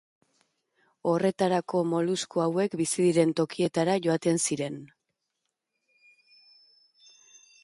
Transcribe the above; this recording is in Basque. Horretarako molusku hauek bizi diren tokietara joaten ziren.